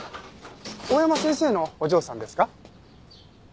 大山先生のお嬢さんですか？